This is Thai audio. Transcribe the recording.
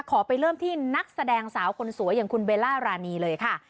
ขอไปเริ่มที่นักแสดงสาวคนสวยอย่างคุณเบลล่ารานีเลยค่ะ